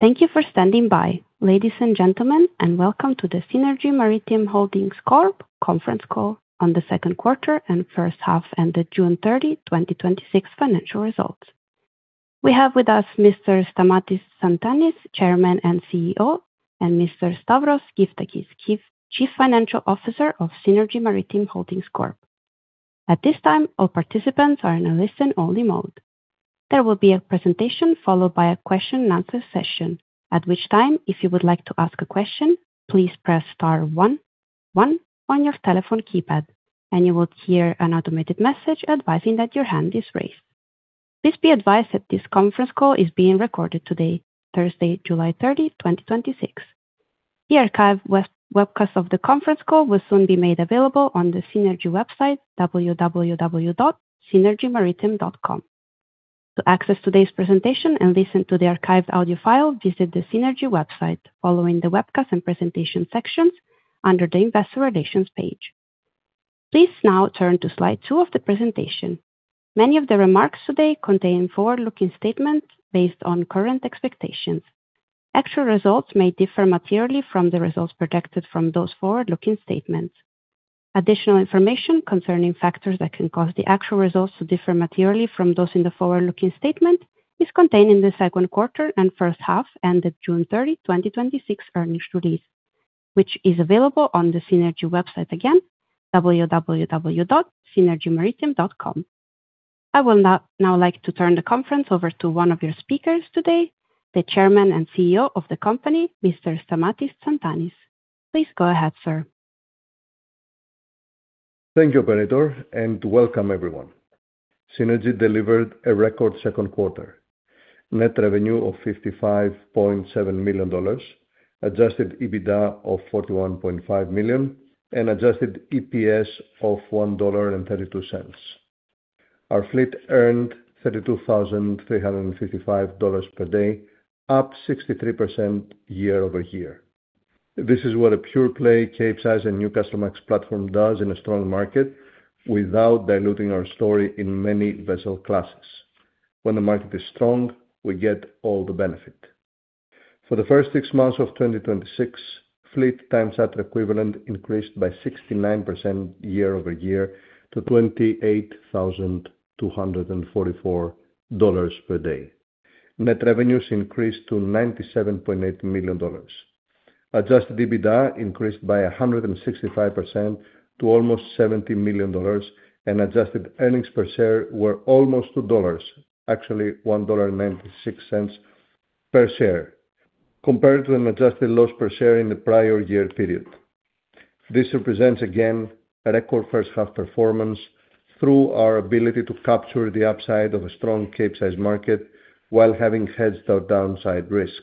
Thank you for standing by, ladies and gentlemen, and welcome to the Seanergy Maritime Holdings Corp. Conference call on the second quarter and first half ended June 30, 2026 financial results. We have with us Mr. Stamatis Tsantanis, Chairman and CEO, and Mr. Stavros Gyftakis, Chief Financial Officer of Seanergy Maritime Holdings Corp. At this time, all participants are in a listen-only mode. There will be a presentation followed by a question and answer session, at which time, if you would like to ask a question, please press star one one on your telephone keypad, and you will hear an automated message advising that your hand is raised. Please be advised that this conference call is being recorded today, Thursday, July 30th, 2026. The archived webcast of the conference call will soon be made available on the Seanergy website, www.seanergymaritime.com. To access today's presentation and listen to the archived audio file, visit the Seanergy website following the Webcasts and Presentations sections under the Investor Relations page. Please now turn to slide two of the presentation. Many of the remarks today contain forward-looking statements based on current expectations. Actual results may differ materially from the results projected from those forward-looking statements. Additional information concerning factors that can cause the actual results to differ materially from those in the forward-looking statement is contained in the second quarter and first half ended June 30th, 2026, earnings release, which is available on the Seanergy website, again, www.seanergymaritime.com. I would now like to turn the conference over to one of your speakers today, the Chairman and CEO of the company, Mr. Stamatis Tsantanis. Please go ahead, sir. Thank you, operator. Welcome everyone. Seanergy delivered a record second quarter. Net revenue of $55.7 million, adjusted EBITDA of $41.5 million, and adjusted EPS of $1.32. Our fleet earned $32,355 per day, up 63% year-over-year. This is what a pure-play Capesize and Newcastlemax platform does in a strong market without diluting our story in many vessel classes. When the market is strong, we get all the benefit. For the first six months of 2026, fleet time charter equivalent increased by 69% year-over-year to $28,244 per day. Net revenues increased to $97.8 million. Adjusted EBITDA increased by 165% to almost $70 million, and adjusted earnings per share were almost $2, actually $1.96 per share, compared to an adjusted loss per share in the prior year period. This represents again a record first half performance through our ability to capture the upside of a strong Capesize market while having hedged our downside risk.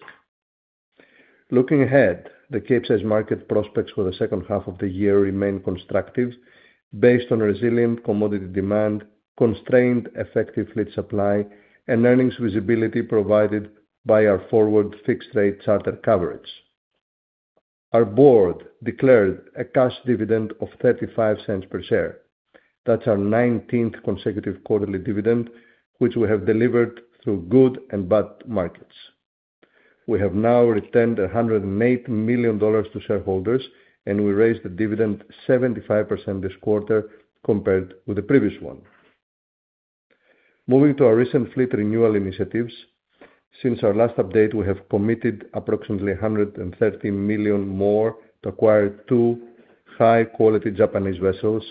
Looking ahead, the Capesize market prospects for the second half of the year remain constructive based on resilient commodity demand, constrained effective fleet supply, and earnings visibility provided by our forward fixed-rate charter coverage. Our board declared a cash dividend of $0.35 per share. That's our 19th consecutive quarterly dividend, which we have delivered through good and bad markets. We have now returned $108 million to shareholders, and we raised the dividend 75% this quarter compared with the previous one. Moving to our recent fleet renewal initiatives. Since our last update, we have committed approximately $130 million more to acquire two high-quality Japanese vessels,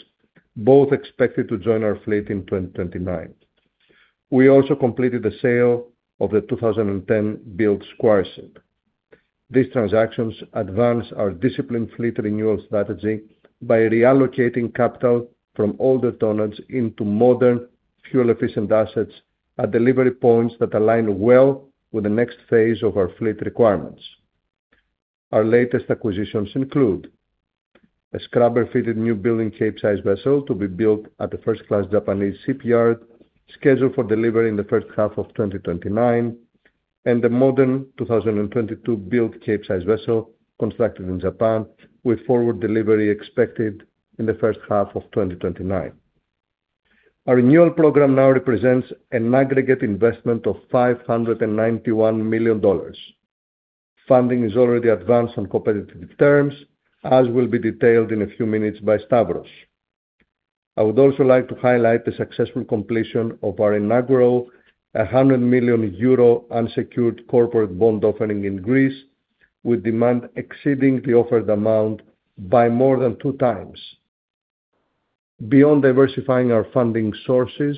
both expected to join our fleet in 2029. We also completed the sale of the 2010-built M/V Squireship. These transactions advance our disciplined fleet renewal strategy by reallocating capital from older tonnage into modern, fuel-efficient assets at delivery points that align well with the next phase of our fleet requirements. Our latest acquisitions include a scrubber-fitted new building Capesize vessel to be built at a first-class Japanese shipyard, scheduled for delivery in the first half of 2029, and the modern 2022-built Capesize vessel constructed in Japan, with forward delivery expected in the first half of 2029. Our renewal program now represents an aggregate investment of $591 million. Funding is already advanced on competitive terms, as will be detailed in a few minutes by Stavros. I would also like to highlight the successful completion of our inaugural 100 million euro unsecured corporate bond offering in Greece, with demand exceeding the offered amount by more than 2x. Beyond diversifying our funding sources,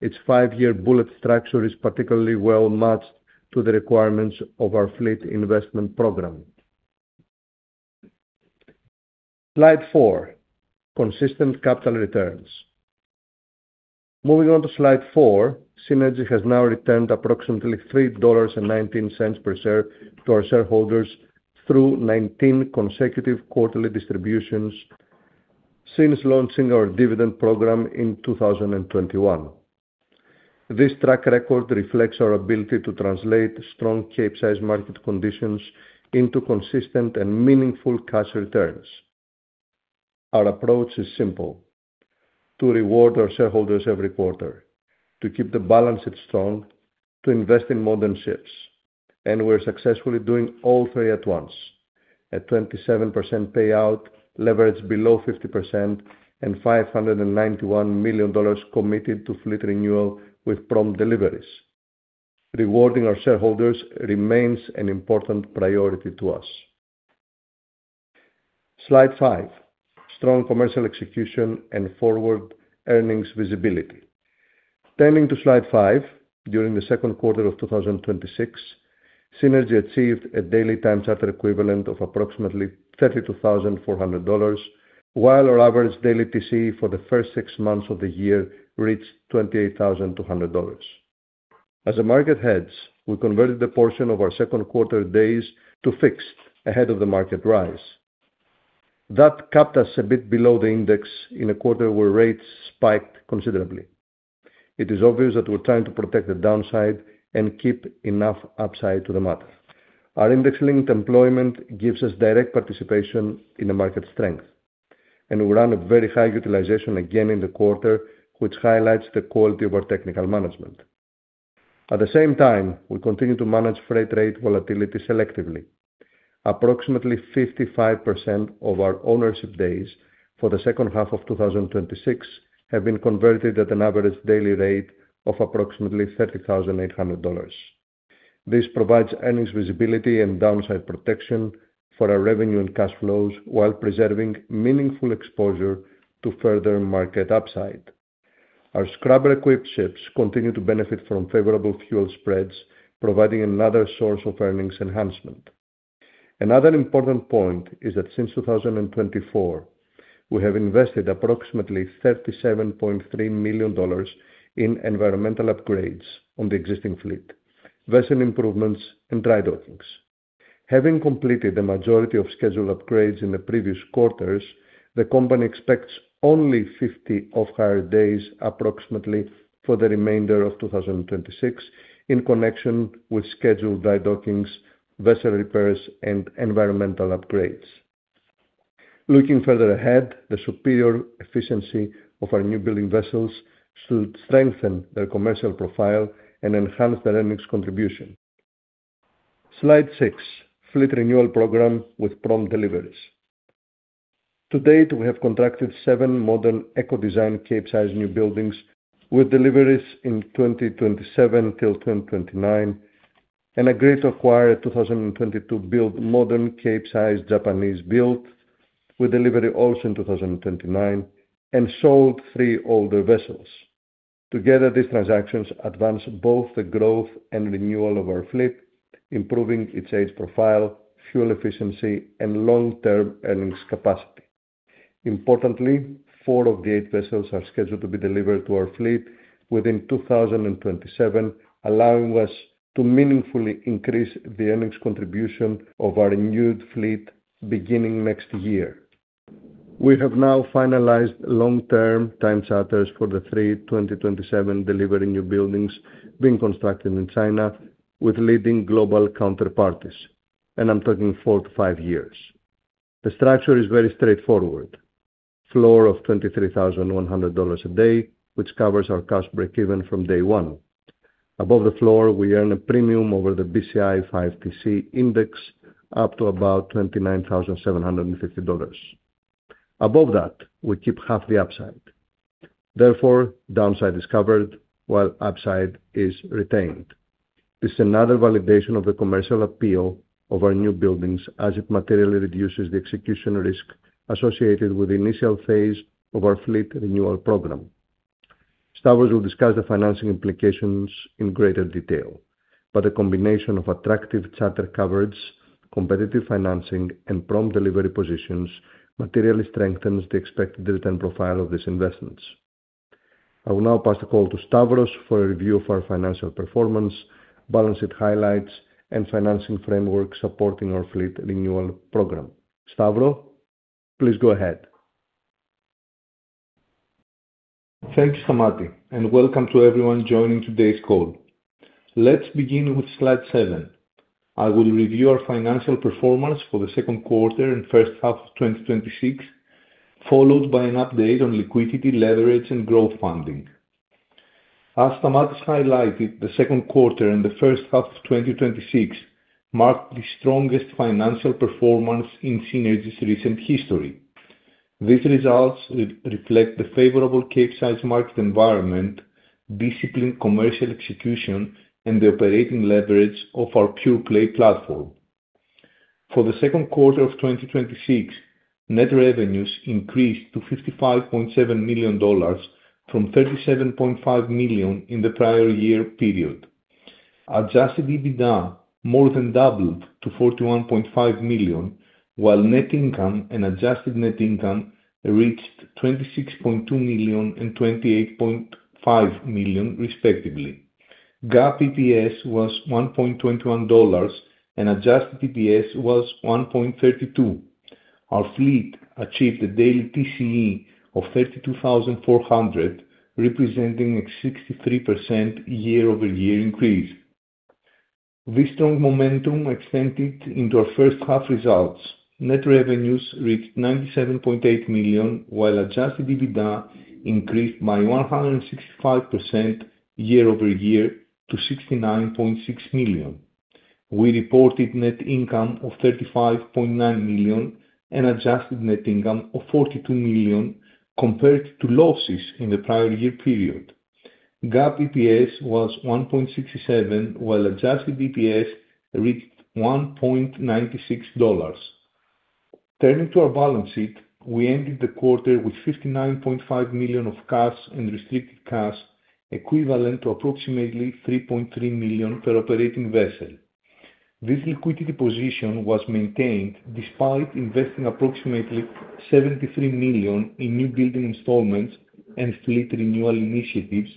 its five-year bullet structure is particularly well-matched to the requirements of our fleet investment program. Slide four, consistent capital returns. Moving on to slide four, Seanergy has now returned approximately $3.19 per share to our shareholders through 19 consecutive quarterly distributions since launching our dividend program in 2021. This track record reflects our ability to translate strong Capesize market conditions into consistent and meaningful cash returns. Our approach is simple: to reward our shareholders every quarter, to keep the balance sheet strong, to invest in modern ships. We're successfully doing all three at once. A 27% payout, leverage below 50%, and $591 million committed to fleet renewal with prompt deliveries. Rewarding our shareholders remains an important priority to us. Slide five, strong commercial execution and forward earnings visibility. Turning to Slide five, during the second quarter of 2026, Seanergy achieved a daily times charter equivalent of approximately $32,400, while our average daily TCE for the first six months of the year reached $28,200. As a market hedge, we converted a portion of our second quarter days to fixed ahead of the market rise. That capped us a bit below the index in a quarter where rates spiked considerably. It is obvious that we're trying to protect the downside and keep enough upside to the matter. Our index-linked employment gives us direct participation in the market strength. We run a very high utilization again in the quarter, which highlights the quality of our technical management. At the same time, we continue to manage freight rate volatility selectively. Approximately 55% of our ownership days for the second half of 2026 have been converted at an average daily rate of approximately $30,800. This provides earnings visibility and downside protection for our revenue and cash flows while preserving meaningful exposure to further market upside. Our scrubber-equipped ships continue to benefit from favorable fuel spreads, providing another source of earnings enhancement. Another important point is that since 2024, we have invested approximately $37.3 million in environmental upgrades on the existing fleet, vessel improvements, and drydockings. Having completed the majority of scheduled upgrades in the previous quarters, the company expects only 50 off-hire days approximately for the remainder of 2026 in connection with scheduled drydockings, vessel repairs and environmental upgrades. Looking further ahead, the superior efficiency of our new building vessels should strengthen their commercial profile and enhance their earnings contribution. Slide six, fleet renewal program with prompt deliveries. To date, we have contracted seven modern eco-designed Capesize newbuildings with deliveries in 2027 till 2029, and agreed to acquire a 2022-built modern Capesize Japanese-built, with delivery also in 2029, and sold three older vessels. Together, these transactions advance both the growth and renewal of our fleet, improving its age profile, fuel efficiency and long-term earnings capacity. Importantly, four of the eight vessels are scheduled to be delivered to our fleet within 2027, allowing us to meaningfully increase the earnings contribution of our renewed fleet beginning next year. We have now finalized long-term time charters for the three 2027 delivery newbuildings being constructed in China with leading global counterparties, and I'm talking four to five years. The structure is very straightforward. Floor of $23,100 a day, which covers our cash breakeven from day one. Above the floor, we earn a premium over the BCI 5TC index, up to about $29,750. Above that, we keep half the upside. Therefore, downside is covered while upside is retained. This is another validation of the commercial appeal of our newbuildings as it materially reduces the execution risk associated with the initial phase of our fleet renewal program. Stavros will discuss the financing implications in greater detail. The combination of attractive charter coverage, competitive financing, and prompt delivery positions materially strengthens the expected return profile of these investments. I will now pass the call to Stavros for a review of our financial performance, balance sheet highlights, and financing framework supporting our fleet renewal program. Stavros, please go ahead. Thank you, Stamatis, and welcome to everyone joining today's call. Let's begin with slide seven. I will review our financial performance for the second quarter and first half of 2026, followed by an update on liquidity, leverage and growth funding. As Stamatis highlighted, the second quarter and the first half of 2026 marked the strongest financial performance in Seanergy's recent history. These results reflect the favorable Capesize market environment, disciplined commercial execution, and the operating leverage of our pure play platform. For the second quarter of 2026, net revenues increased to $55.7 million from $37.5 million in the prior year period. Adjusted EBITDA more than doubled to $41.5 million, while net income and adjusted net income reached $26.2 million and $28.5 million respectively. GAAP EPS was $1.21 and adjusted EPS was $1.32. Our fleet achieved a daily TCE of $32,400, representing a 63% year-over-year increase. This strong momentum extended into our first half results. Net revenues reached $97.8 million, while adjusted EBITDA increased by 165% year-over-year to $69.6 million. We reported net income of $35.9 million and adjusted net income of $42 million compared to losses in the prior year period. GAAP EPS was $1.67, while adjusted EPS reached $1.96. Turning to our balance sheet, we ended the quarter with $59.5 million of cash and restricted cash, equivalent to approximately $3.3 million per operating vessel. This liquidity position was maintained despite investing approximately $73 million in new building installments and fleet renewal initiatives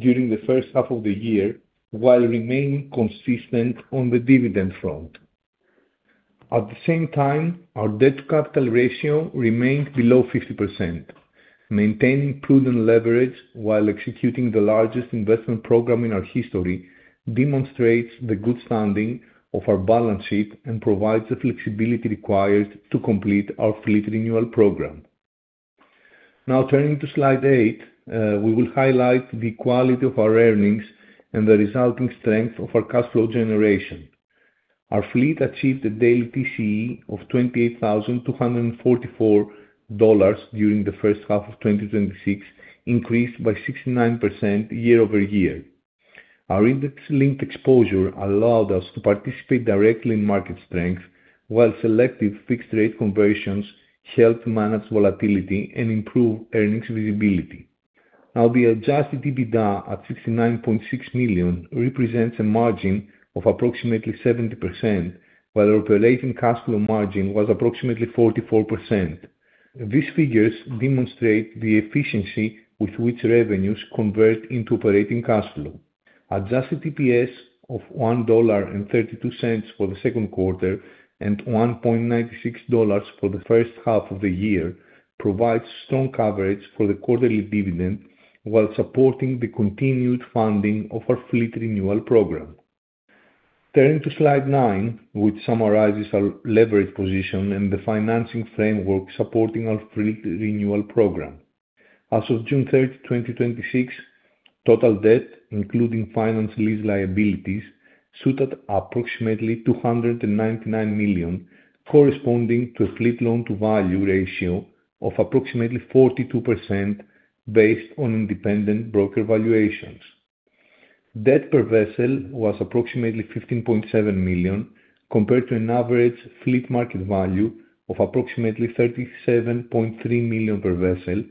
during the first half of the year, while remaining consistent on the dividend front. At the same time, our debt-to-capital ratio remained below 50%. Maintaining prudent leverage while executing the largest investment program in our history demonstrates the good standing of our balance sheet and provides the flexibility required to complete our fleet renewal program. Turning to slide eight, we will highlight the quality of our earnings and the resulting strength of our cash flow generation. Our fleet achieved a daily TCE of $28,244 during the first half of 2026, increased by 69% year-over-year. Our index-linked exposure allowed us to participate directly in market strength, while selective fixed-rate conversions helped manage volatility and improve earnings visibility. The adjusted EBITDA at $69.6 million represents a margin of approximately 70%, while our operating cash flow margin was approximately 44%. These figures demonstrate the efficiency with which revenues convert into operating cash flow. Adjusted EPS of $1.32 for the second quarter and $1.96 for the first half of the year provides strong coverage for the quarterly dividend while supporting the continued funding of our fleet renewal program. Turning to slide nine, which summarizes our leverage position and the financing framework supporting our fleet renewal program. As of June 30, 2026, total debt, including finance lease liabilities, stood at approximately $299 million, corresponding to a fleet loan-to-value ratio of approximately 42% based on independent broker valuations. Debt per vessel was approximately $15.7 million, compared to an average fleet market value of approximately $37.3 million per vessel,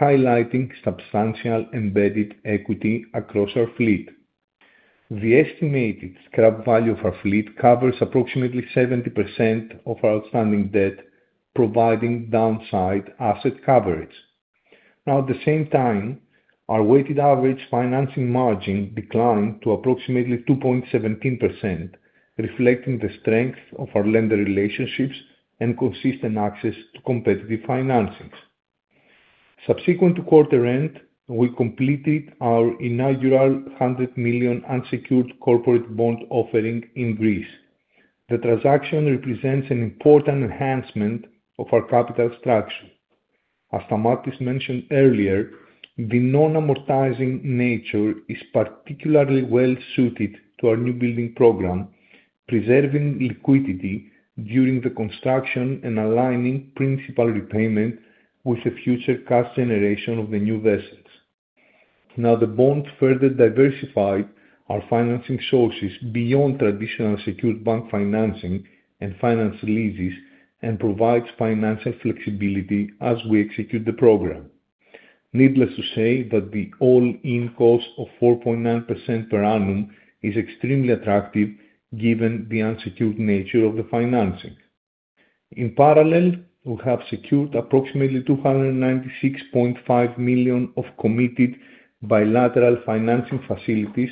highlighting substantial embedded equity across our fleet. The estimated scrap value of our fleet covers approximately 70% of our outstanding debt, providing downside asset coverage. At the same time, our weighted average financing margin declined to approximately 2.17%, reflecting the strength of our lender relationships and consistent access to competitive financings. Subsequent to quarter end, we completed our inaugural 100 million unsecured corporate bond offering in Greece. The transaction represents an important enhancement of our capital structure. As Stamatis mentioned earlier, the non-amortizing nature is particularly well-suited to our new building program, preserving liquidity during the construction and aligning principal repayment with the future cash generation of the new vessels. The bond further diversified our financing sources beyond traditional secured bank financing and finance leases and provides financial flexibility as we execute the program. Needless to say that the all-in cost of 4.9% per annum is extremely attractive given the unsecured nature of the financing. In parallel, we have secured approximately $296.5 million of committed bilateral financing facilities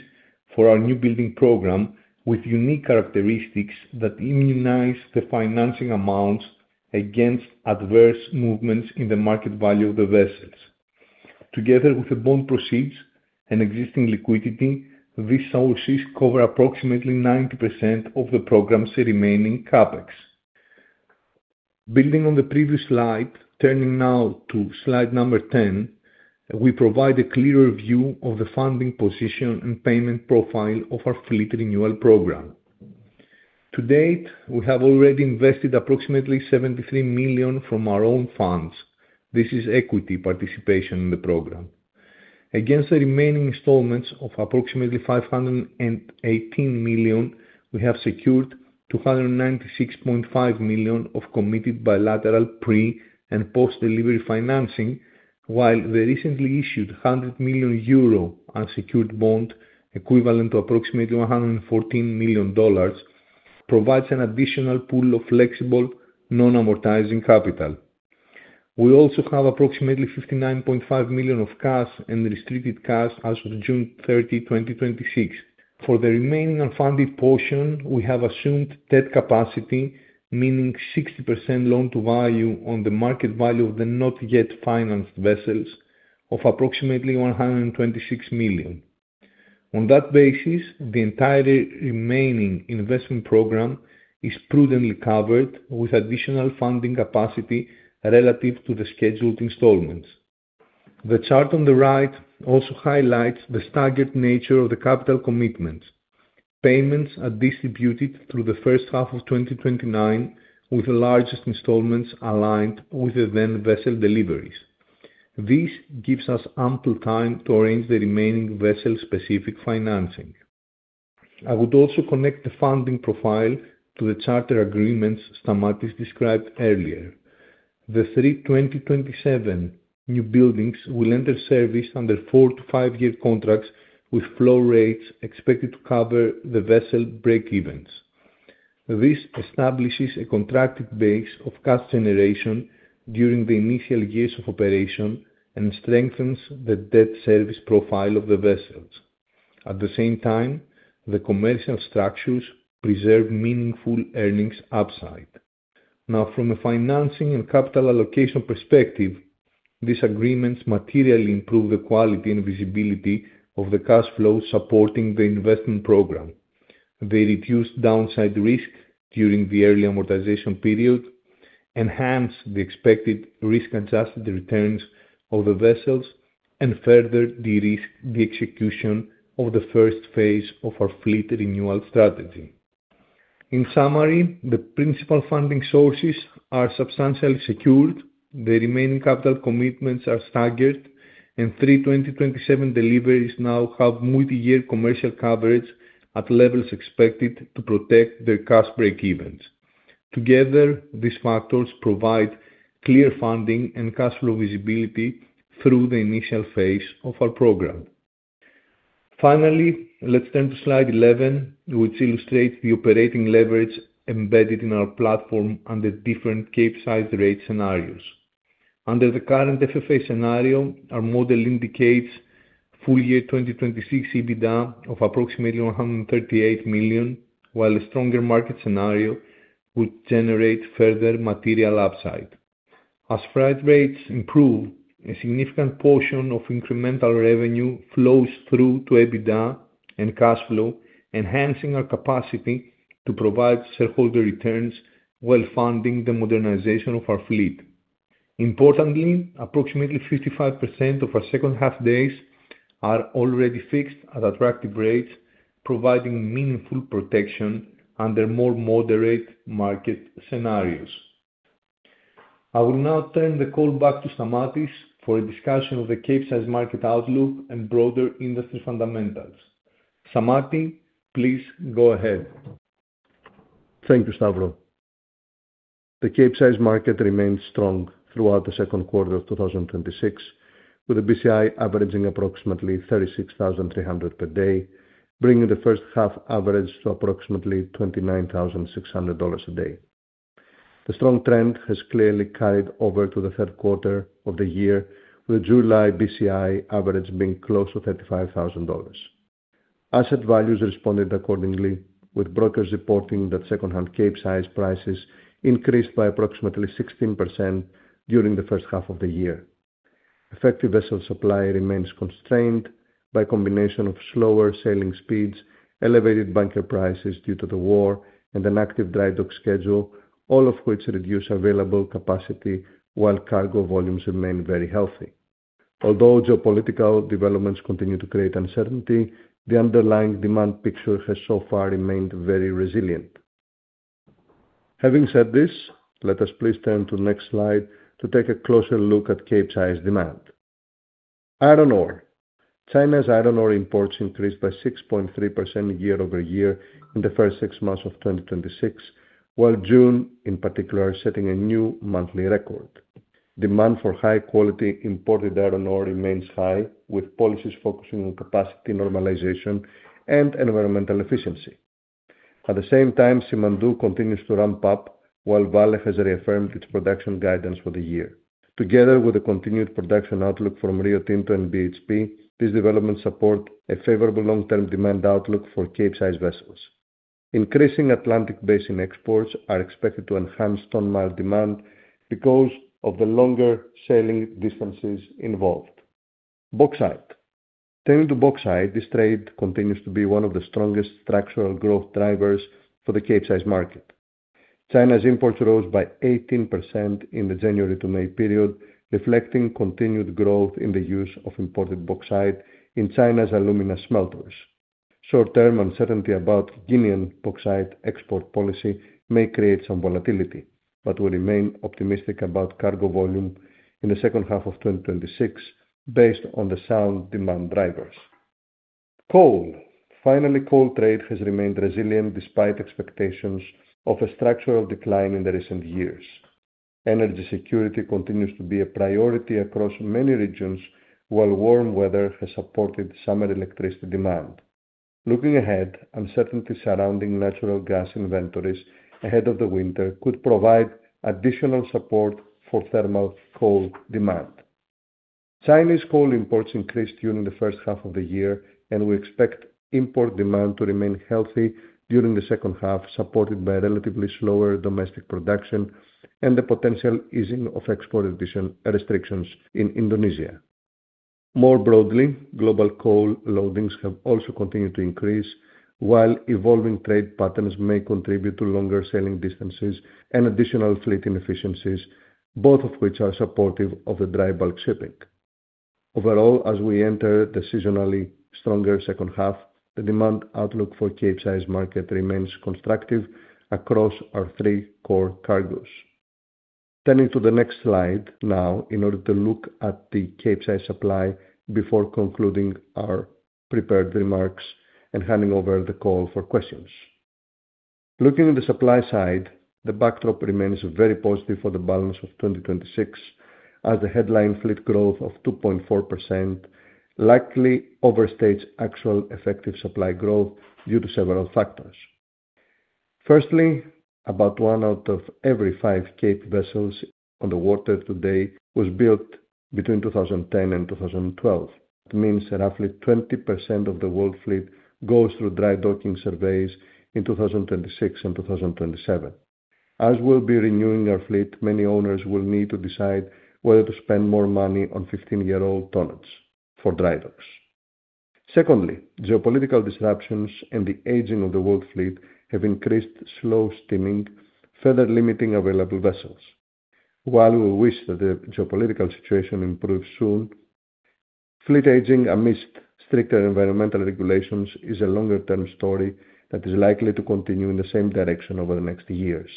for our new building program, with unique characteristics that immunize the financing amounts against adverse movements in the market value of the vessels. Together with the bond proceeds and existing liquidity, these sources cover approximately 90% of the program's remaining CapEx. Building on the previous slide, turning to slide number 10, we provide a clearer view of the funding position and payment profile of our fleet renewal program. To date, we have already invested approximately $73 million from our own funds. This is equity participation in the program. Against the remaining installments of approximately $518 million, we have secured $296.5 million of committed bilateral pre- and post-delivery financing, while the recently issued €100 million unsecured bond, equivalent to approximately $114 million, provides an additional pool of flexible non-amortizing capital. We also have approximately $59.5 million of cash and restricted cash as of June 30, 2026. For the remaining unfunded portion, we have assumed debt capacity, meaning 60% loan-to-value on the market value of the not-yet-financed vessels of approximately $126 million. On that basis, the entire remaining investment program is prudently covered with additional funding capacity relative to the scheduled installments. The chart on the right also highlights the staggered nature of the capital commitments. Payments are distributed through the first half of 2029, with the largest installments aligned with the then vessel deliveries. This gives us ample time to arrange the remaining vessel-specific financing. I would also connect the funding profile to the charter agreements Stamatis described earlier. The three 2027 new buildings will enter service under four to five-year contracts with flow rates expected to cover the vessel breakevens. This establishes a contracted base of cash generation during the initial years of operation and strengthens the debt service profile of the vessels. At the same time, the commercial structures preserve meaningful earnings upside. From a financing and capital allocation perspective, these agreements materially improve the quality and visibility of the cash flow supporting the investment program. They reduce downside risk during the early amortization period, enhance the expected risk-adjusted returns of the vessels, and further de-risk the execution of the first phase of our fleet renewal strategy. In summary, the principal funding sources are substantially secured, the remaining capital commitments are staggered, and three 2027 deliveries now have multi-year commercial coverage at levels expected to protect their cash breakevens. Together, these factors provide clear funding and cash flow visibility through the initial phase of our program. Finally, let's turn to slide 11, which illustrates the operating leverage embedded in our platform under different Capesize rate scenarios. Under the current FFA scenario, our model indicates full-year 2026 EBITDA of approximately $138 million, while a stronger market scenario would generate further material upside. As freight rates improve, a significant portion of incremental revenue flows through to EBITDA and cash flow, enhancing our capacity to provide shareholder returns while funding the modernization of our fleet. Importantly, approximately 55% of our second half days are already fixed at attractive rates, providing meaningful protection under more moderate market scenarios. I will now turn the call back to Stamatis for a discussion of the Capesize market outlook and broader industry fundamentals. Stamatis, please go ahead. Thank you, Stavros. The Capesize market remained strong throughout the second quarter of 2026, with the BCI averaging approximately $36,300 per day, bringing the first half average to approximately $29,600 a day. The strong trend has clearly carried over to the third quarter of the year, with the July BCI average being close to $35,000. Asset values responded accordingly, with brokers reporting that secondhand Capesize prices increased by approximately 16% during the first half of the year. Effective vessel supply remains constrained by a combination of slower sailing speeds, elevated bunker prices due to the war, and an active dry dock schedule, all of which reduce available capacity while cargo volumes remain very healthy. Although geopolitical developments continue to create uncertainty, the underlying demand picture has so far remained very resilient. Having said this, let us please turn to the next slide to take a closer look at Capesize demand. Iron ore. China's iron ore imports increased by 6.3% year-over-year in the first six months of 2026, while June, in particular, is setting a new monthly record. Demand for high-quality imported iron ore remains high, with policies focusing on capacity normalization and environmental efficiency. At the same time, Simandou continues to ramp up while Vale has reaffirmed its production guidance for the year. Together with a continued production outlook from Rio Tinto and BHP, these developments support a favorable long-term demand outlook for Capesize vessels. Increasing Atlantic basin exports are expected to enhance tonne-mile demand because of the longer sailing distances involved. Bauxite. Turning to bauxite, this trade continues to be one of the strongest structural growth drivers for the Capesize market. China's imports rose by 18% in the January to May period, reflecting continued growth in the use of imported bauxite in China's alumina smelters. Short-term uncertainty about Guinean bauxite export policy may create some volatility, but we remain optimistic about cargo volume in the second half of 2026 based on the sound demand drivers. Coal. Finally, coal trade has remained resilient despite expectations of a structural decline in the recent years. Energy security continues to be a priority across many regions, while warm weather has supported summer electricity demand. Looking ahead, uncertainty surrounding natural gas inventories ahead of the winter could provide additional support for thermal coal demand. Chinese coal imports increased during the first half of the year, and we expect import demand to remain healthy during the second half, supported by relatively slower domestic production and the potential easing of export restrictions in Indonesia. More broadly, global coal loadings have also continued to increase while evolving trade patterns may contribute to longer sailing distances and additional fleet inefficiencies, both of which are supportive of the dry-bulk shipping. Overall, as we enter the seasonally stronger second half, the demand outlook for Capesize market remains constructive across our three core cargoes. Turning to the next slide now in order to look at the Capesize supply before concluding our prepared remarks and handing over the call for questions. Looking at the supply side, the backdrop remains very positive for the balance of 2026 as the headline fleet growth of 2.4% likely overstates actual effective supply growth due to several factors. Firstly, about one out of every five Cape vessels on the water today was built between 2010 and 2012. That means that roughly 20% of the world fleet goes through dry docking surveys in 2026 and 2027. As we'll be renewing our fleet, many owners will need to decide whether to spend more money on 15-year-old tonnage for dry docks. Secondly, geopolitical disruptions and the aging of the world fleet have increased slow steaming, further limiting available vessels. While we wish that the geopolitical situation improves soon, fleet aging amidst stricter environmental regulations is a longer-term story that is likely to continue in the same direction over the next years.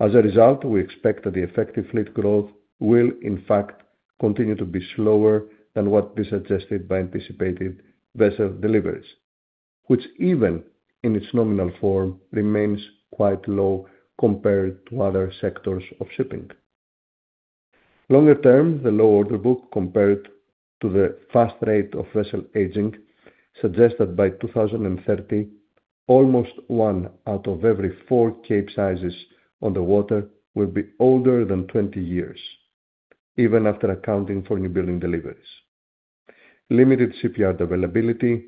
As a result, we expect that the effective fleet growth will in fact continue to be slower than what is suggested by anticipated vessel deliveries, which even in its nominal form, remains quite low compared to other sectors of shipping. Longer term, the low order book compared to the fast rate of vessel aging suggests that by 2030, almost one out of every four Capesizes on the water will be older than 20 years, even after accounting for new building deliveries. Limited shipyard availability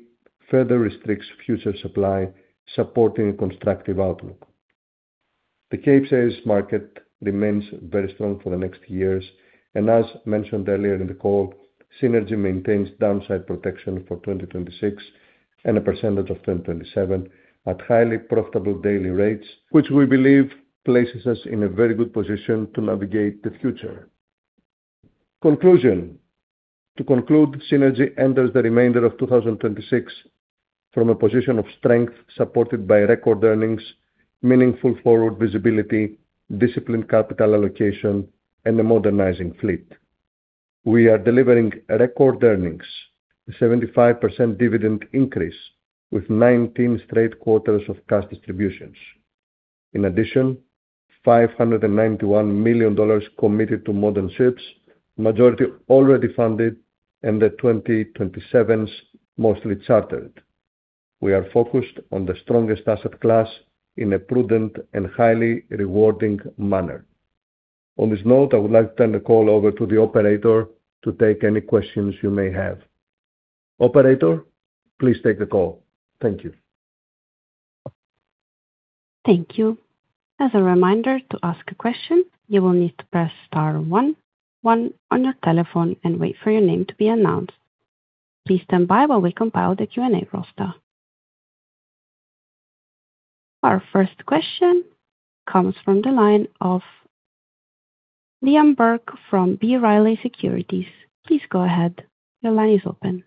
further restricts future supply, supporting a constructive outlook. The Capesize market remains very strong for the next years, and as mentioned earlier in the call, Seanergy maintains downside protection for 2026 and a percentage of 2027 at highly profitable daily rates, which we believe places us in a very good position to navigate the future. Conclusion. To conclude, Seanergy enters the remainder of 2026 from a position of strength supported by record earnings, meaningful forward visibility, disciplined capital allocation, and a modernizing fleet. We are delivering record earnings, a 75% dividend increase with 19 straight quarters of cash distributions. In addition, $591 million committed to modern ships, majority already funded, and the 2027s mostly chartered. We are focused on the strongest asset class in a prudent and highly rewarding manner. On this note, I would like to turn the call over to the operator to take any questions you may have. Operator, please take the call. Thank you. Thank you. As a reminder, to ask a question, you will need to press star one one on your telephone and wait for your name to be announced. Please stand by while we compile the Q&A roster. Our first question comes from the line of Liam Burke from B. Riley Securities. Please go ahead. Your line is open.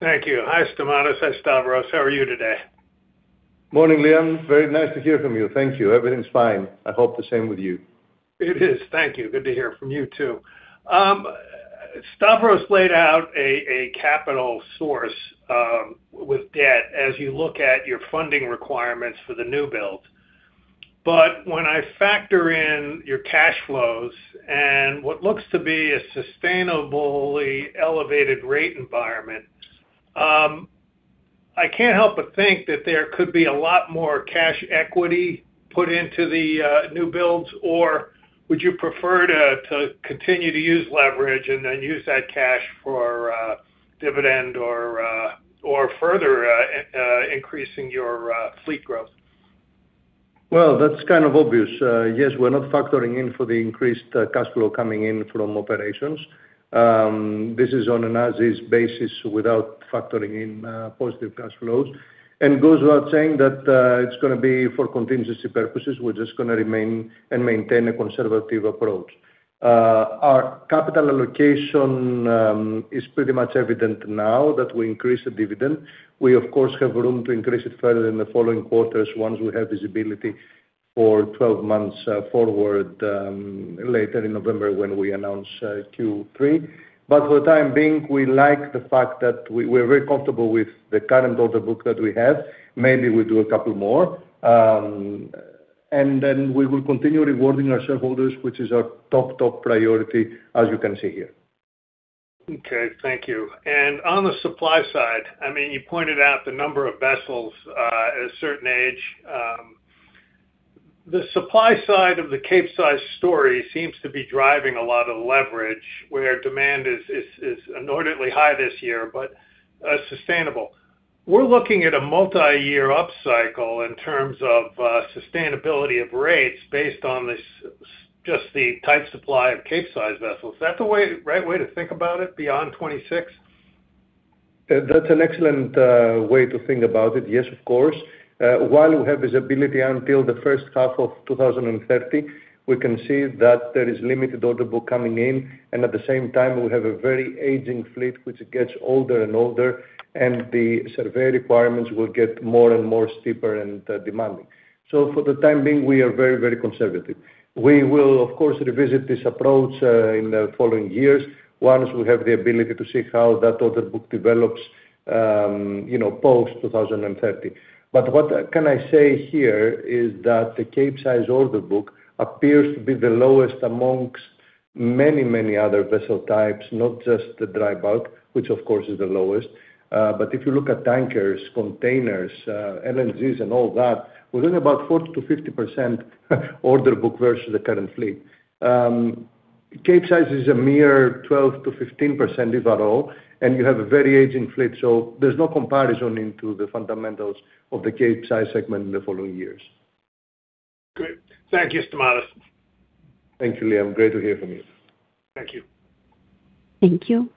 Thank you. Hi, Stamatis. Hi, Stavros. How are you today? Morning, Liam. Very nice to hear from you. Thank you. Everything's fine. I hope the same with you. It is. Thank you. Good to hear from you, too. Stavros laid out a capital source with debt as you look at your funding requirements for the new build. When I factor in your cash flows and what looks to be a sustainably elevated rate environment, I can't help but think that there could be a lot more cash equity put into the new builds, or would you prefer to continue to use leverage and then use that cash for dividend or further increasing your fleet growth? Well, that's kind of obvious. Yes, we're not factoring in for the increased cash flow coming in from operations. This is on an as-is basis without factoring in positive cash flows. Goes without saying that it's going to be for contingency purposes. We're just going to remain and maintain a conservative approach. Our capital allocation is pretty much evident now that we increase the dividend. We of course have room to increase it further in the following quarters once we have visibility for 12 months forward later in November when we announce Q3. For the time being, we like the fact that we're very comfortable with the current order book that we have. Maybe we'll do a couple more. Then we will continue rewarding our shareholders, which is our top priority, as you can see here. Okay. Thank you. On the supply side, you pointed out the number of vessels, a certain age. The supply side of the Capesize story seems to be driving a lot of leverage where demand is inordinately high this year, but sustainable. We're looking at a multi-year upcycle in terms of sustainability of rates based on this, just the tight supply of Capesize vessels. Is that the right way to think about it beyond 2026? That's an excellent way to think about it. Yes, of course. While we have visibility until the first half of 2030, we can see that there is limited order book coming in, and at the same time, we have a very aging fleet which gets older and older, and the survey requirements will get more and more steeper and demanding. For the time being, we are very conservative. We will, of course, revisit this approach in the following years, once we have the ability to see how that order book develops post 2030. What can I say here is that the Capesize order book appears to be the lowest amongst many other vessel types, not just the dry bulk, which of course is the lowest, but if you look at tankers, containers, LNGs and all that, we're talking about 40%-50% order book versus the current fleet. Capesize is a mere 12%-15%, if at all, and you have a very aging fleet, there's no comparison into the fundamentals of the Capesize segment in the following years. Great. Thank you, Stamatis. Thank you, Liam. Great to hear from you. Thank you. Thank you.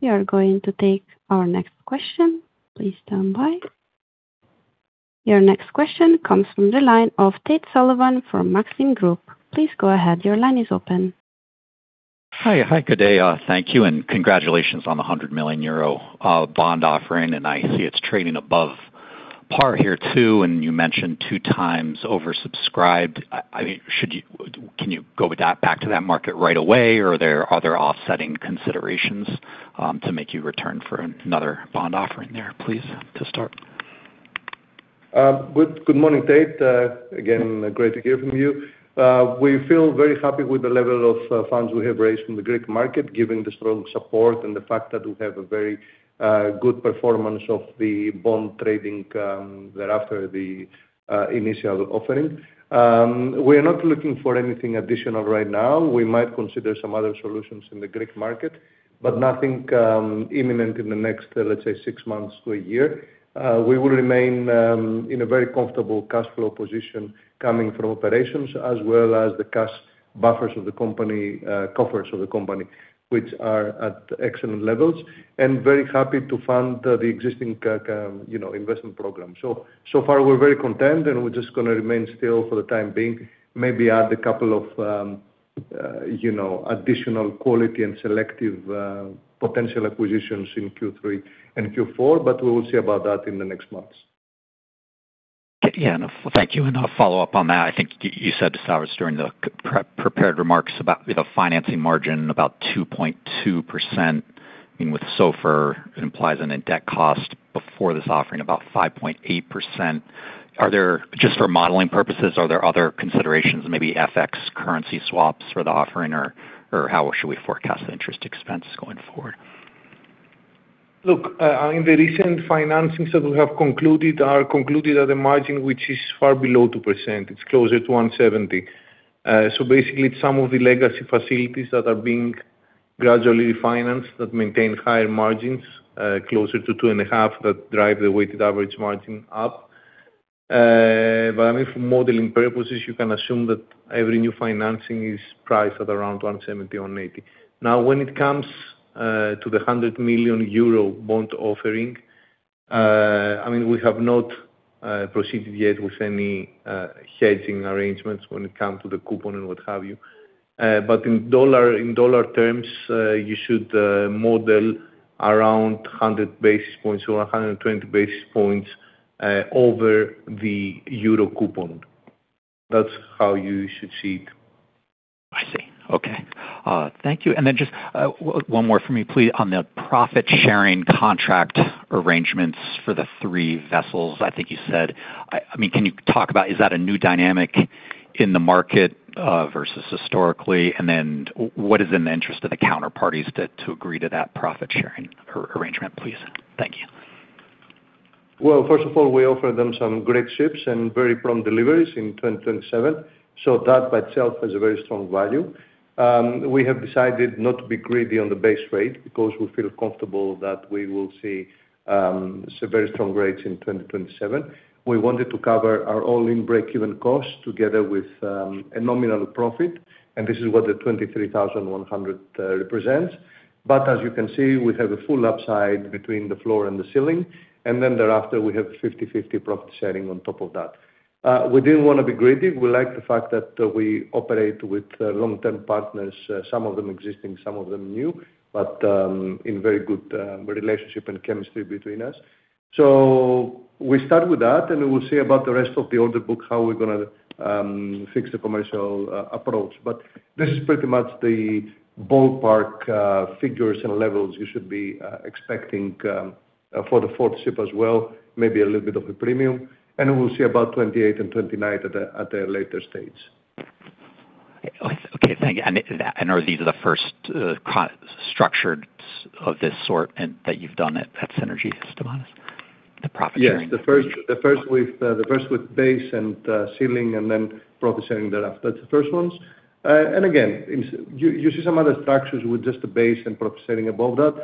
We are going to take our next question. Please stand by. Your next question comes from the line of Tate Sullivan from Maxim Group. Please go ahead. Your line is open. Hi, good day. Thank you and congratulations on the 100 million euro bond offering, and I see it's trading above par here too, and you mentioned 2x oversubscribed. Can you go with that back to that market right away, or are there other offsetting considerations to make you return for another bond offering there, please, to start? Good morning, Tate. Again, great to hear from you. We feel very happy with the level of funds we have raised in the Greek market, given the strong support and the fact that we have a very good performance of the bond trading thereafter the initial offering. We are not looking for anything additional right now. We might consider some other solutions in the Greek market, but nothing imminent in the next, let's say, six months to a year. We will remain in a very comfortable cash flow position coming from operations as well as the cash buffers of the company, coffers of the company, which are at excellent levels and very happy to fund the existing investment program. We're very content, and we're just going to remain still for the time being, maybe add a couple of additional quality and selective potential acquisitions in Q3 and Q4. We will see about that in the next months. Yeah. Thank you. I'll follow up on that. I think you said to Stavros, during the prepared remarks about the financing margin, about 2.2%, with SOFR implies an in-debt cost before this offering about 5.8%. Just for modeling purposes, are there other considerations, maybe FX currency swaps for the offering or how should we forecast the interest expense going forward? In the recent financings that we have concluded are concluded at a margin which is far below 2%. It's closer to 170. Basically, it's some of the legacy facilities that are being gradually financed that maintain higher margins, closer to 2.5% that drive the weighted average margin up. For modeling purposes, you can assume that every new financing is priced at around 170, 180. When it comes to the 100 million euro bond offering, we have not proceeded yet with any hedging arrangements when it comes to the coupon and what have you. In dollar terms, you should model around 100 basis points or 120 basis points over the EUR coupon. That's how you should see it. I see. Okay. Thank you. Just one more for me, please, on the profit-sharing contract arrangements for the three vessels, I think you said. Can you talk about, is that a new dynamic in the market versus historically? What is in the interest of the counterparties to agree to that profit-sharing arrangement, please? Thank you. Well, first of all, we offer them some great ships and very prompt deliveries in 2027. That by itself has a very strong value. We have decided not to be greedy on the base rate because we feel comfortable that we will see some very strong rates in 2027. We wanted to cover our all-in break-even cost together with a nominal profit, and this is what the $23,100 represents. As you can see, we have a full upside between the floor and the ceiling, and thereafter, we have 50/50 profit sharing on top of that. We didn't want to be greedy. We like the fact that we operate with long-term partners, some of them existing, some of them new, but in very good relationship and chemistry between us. We start with that, and we will see about the rest of the order book how we're going to fix the commercial approach. This is pretty much the ballpark figures and levels you should be expecting for the fourth ship as well, maybe a little bit of a premium, and we will see about 2028 and 2029 at a later stage. Okay, thank you. Are these the first structures of this sort that you've done at Seanergy, Stamatis? The profit sharing. Yes, the first with base and ceiling and then profit sharing thereafter. The first ones. Again, you see some other structures with just a base and profit sharing above that.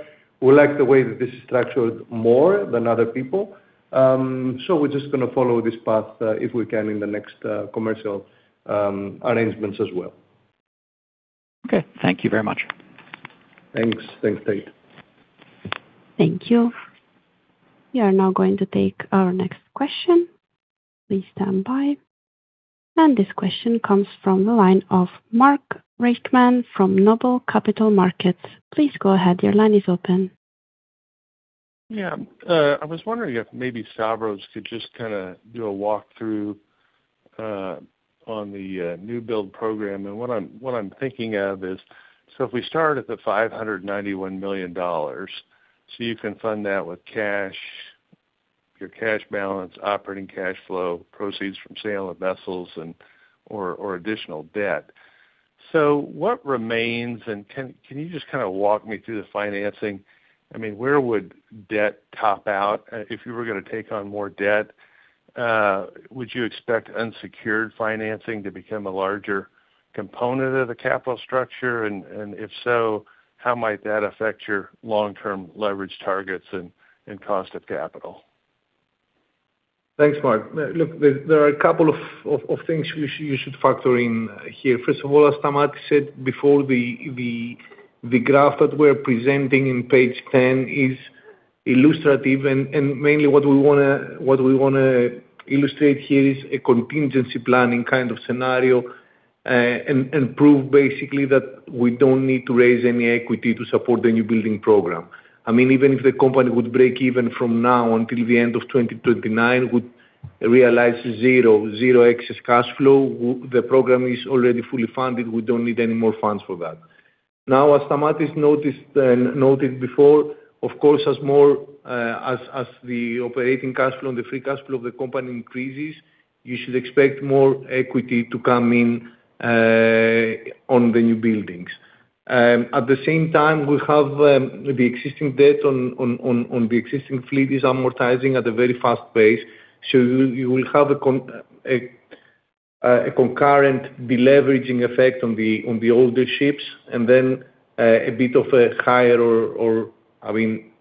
We like the way that this is structured more than other people. We're just going to follow this path if we can in the next commercial arrangements as well. Okay. Thank you very much. Thanks, Tate. Thank you. We are now going to take our next question. Please stand by. This question comes from the line of Mark Reichman from Noble Capital Markets. Please go ahead. Your line is open. I was wondering if maybe Stavros could just do a walkthrough on the new build program. What I'm thinking of is, if we start at the $591 million, you can fund that with your cash balance, operating cash flow, proceeds from sale of vessels or additional debt. What remains? Can you just walk me through the financing? Where would debt top out if you were going to take on more debt? Would you expect unsecured financing to become a larger component of the capital structure? If so, how might that affect your long-term leverage targets and cost of capital? Thanks, Mark. There are a couple of things you should factor in here. First of all, as Stamatis said before, the graph that we're presenting on page 10 is illustrative, and mainly what we want to illustrate here is a contingency planning kind of scenario, and prove basically that we don't need to raise any equity to support the new building program. Even if the company would break even from now until the end of 2029, would realize zero excess cash flow, the program is already fully funded, we don't need any more funds for that. As Stamatis noted before, of course, as the operating cash flow and the free cash flow of the company increases, you should expect more equity to come in on the new buildings. At the same time, we have the existing debt on the existing fleet is amortizing at a very fast pace. You will have a concurrent de-leveraging effect on the older ships and then a bit of a higher or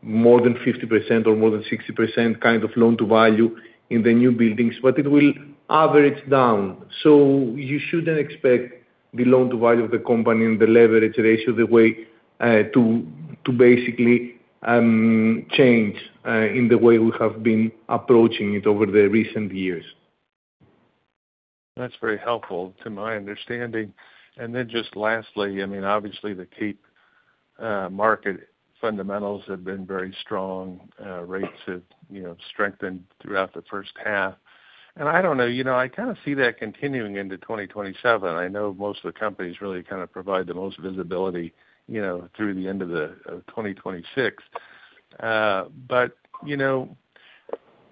more than 50% or more than 60% kind of loan-to-value in the new buildings, but it will average down. You shouldn't expect the loan-to-value of the company and the leverage ratio to basically change in the way we have been approaching it over the recent years. That's very helpful to my understanding. Then just lastly, obviously the Cape market fundamentals have been very strong. Rates have strengthened throughout the first half. I don't know, I kind of see that continuing into 2027. I know most of the companies really provide the most visibility through the end of 2026.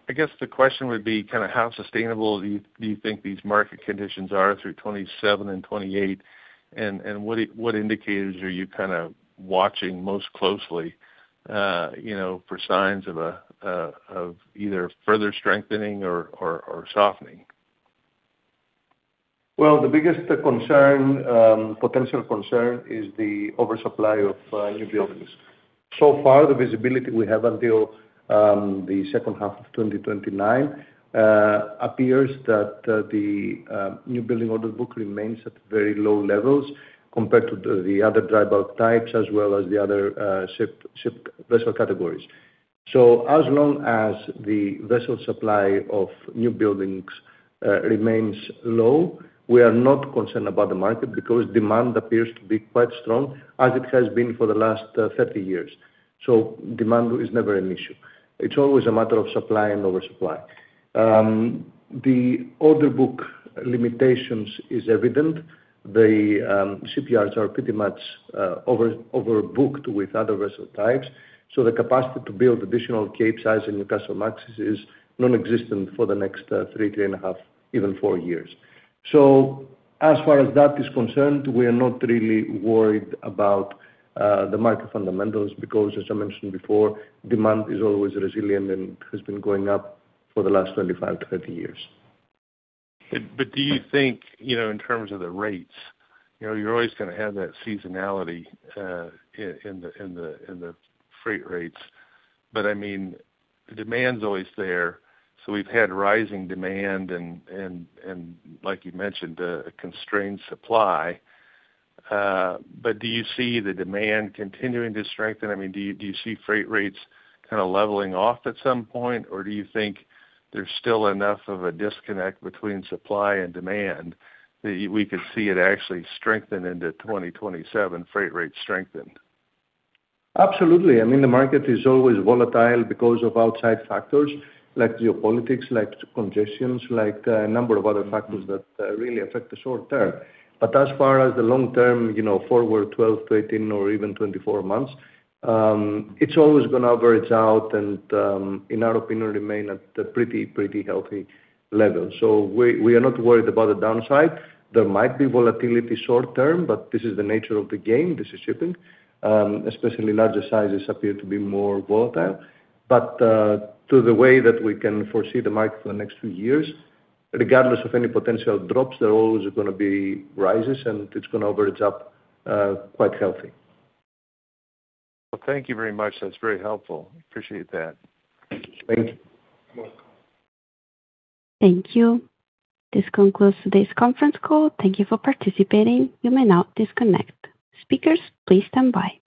I guess the question would be how sustainable do you think these market conditions are through 2027 and 2028, and what indicators are you watching most closely for signs of either further strengthening or softening? Well, the biggest potential concern is the oversupply of new buildings. Far, the visibility we have until the second half of 2029 appears that the new building order book remains at very low levels compared to the other dry bulk types as well as the other ship vessel categories. As long as the vessel supply of new buildings remains low, we are not concerned about the market because demand appears to be quite strong as it has been for the last 30 years. Demand is never an issue. It's always a matter of supply and oversupply. The order book limitations is evident. The shipyards are pretty much overbooked with other vessel types, so the capacity to build additional Capesize and Newcastlemax is non-existent for the next three and a half, even four years. As far as that is concerned, we are not really worried about the market fundamentals because, as I mentioned before, demand is always resilient and has been going up for the last 25-30 years. Do you think, in terms of the rates, you're always going to have that seasonality in the freight rates. Demand is always there. We've had rising demand and like you mentioned, a constrained supply. Do you see the demand continuing to strengthen? Do you see freight rates kind of leveling off at some point? Do you think there's still enough of a disconnect between supply and demand that we could see it actually strengthen into 2027, freight rates strengthen? Absolutely. The market is always volatile because of outside factors like geopolitics, like congestions, like a number of other factors that really affect the short-term. As far as the long-term, forward 12-18 or even 24 months, it's always going to average out and, in our opinion, remain at a pretty healthy level. We are not worried about the downside. There might be volatility short-term, but this is the nature of the game. This is shipping. Especially larger sizes appear to be more volatile. To the way that we can foresee the market for the next few years, regardless of any potential drops, there are always going to be rises and it's going to average up quite healthy. Thank you very much. That's very helpful. Appreciate that. Thank you. Thank you. This concludes today's conference call. Thank you for participating. You may now disconnect. Speakers, please stand by.